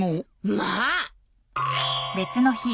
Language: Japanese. まあ！